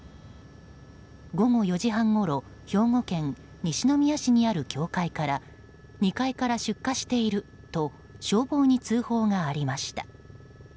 午後４時半ごろ兵庫県西宮市にある教会から２階から出火していると消防に通報がありました。